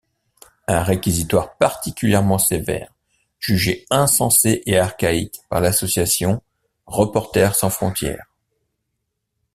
Un réquisitoire particulièrement sévère, jugé insensé et archaïque par l'association Reporters sans frontières.